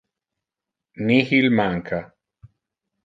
Nihil manca.